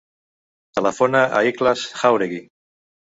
Telefona a l'Ikhlas Jauregui.